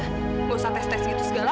nggak usah tes tes gitu segala